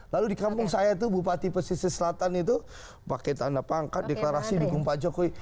lalu di kampung saya itu bupati pesisir selatan itu pakai tanda pangkat deklarasi dukung pak jokowi